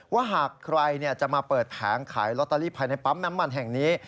ว่าหากใครจะมาเปิดแผงขายลอตเตอรี่ภายในปั๊มน้ำมันแห่งนี้